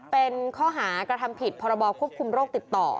เป็นข้อหากระทำผิดพรบควบคุมโรคติดต่อ